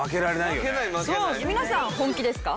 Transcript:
皆さんは本気ですか？